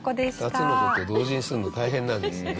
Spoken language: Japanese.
２つの事を同時にするの大変なんですよね。